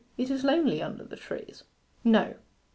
It is lonely under the trees.' 'No.